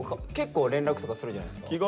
結構連絡とかするじゃないですか。